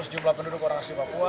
jumlah penduduk orang asli papua